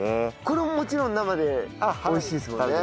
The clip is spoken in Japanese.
これももちろん生で美味しいんですもんね。